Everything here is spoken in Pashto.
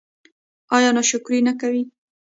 ایا ناشکري نه کوئ؟